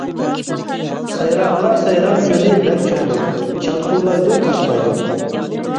سايرامغا سايرام كۈلى بەك چوڭدۇر، شاۋقۇنلايدۇ تاشمايدۇ.